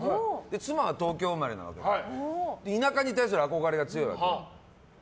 妻は東京生まれなので田舎に対する憧れが強いわけ。